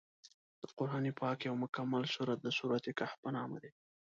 د قران پاک یو مکمل سورت د سورت الکهف په نامه دی.